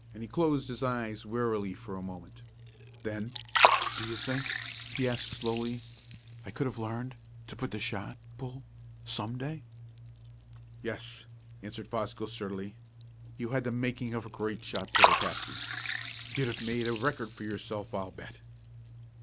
He closed his eyes wearily for a moment. Then, "Do you think," he asked slowly, "I could have learned to put the shot, Bull some day?" "Yes," answered Fosgill sturdily. "You had the making of a great shot putter, Patsy. You'd have made a record for yourself, I'll bet!"